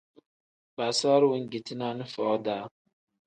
Basaru wengeti naani foo-daa.